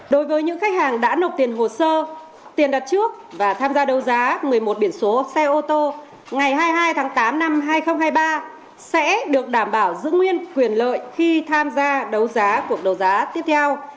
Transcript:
đối với những khách hàng đã nộp tiền hồ sơ tiền đặt trước và tham gia đấu giá một mươi một biển số xe ô tô ngày hai mươi hai tháng tám năm hai nghìn hai mươi ba sẽ được đảm bảo giữ nguyên quyền lợi khi tham gia đấu giá cuộc đấu giá tiếp theo